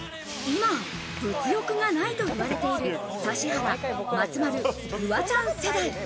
今、物欲がないと言われている指原・松丸・フワちゃん世代。